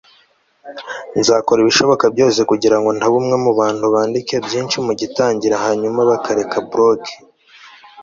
nzakora ibishoboka byose kugirango ntaba umwe mubantu bandika byinshi mugitangira hanyuma bakareka blog